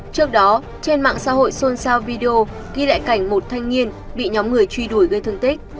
trước đó trên mạng xã hội xôn xao video ghi lại cảnh một thanh niên bị nhóm người truy đuổi gây thương tích